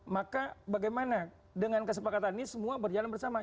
maka bagaimana dengan kesepakatan ini semua berjalan bersama